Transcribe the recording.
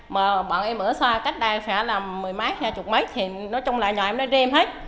mà bọn em ở xoa cách đây phải là mười mái hai chục mấy thì nói chung là nhà em nó rìm hết